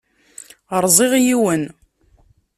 Rẓiɣ yiwen.